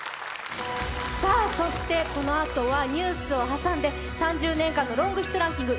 そして、このあとはニュースを挟んで３０年間のロングヒットランキング